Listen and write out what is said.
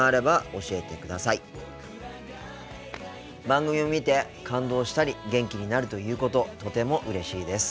番組を見て感動したり元気になるということとてもうれしいです。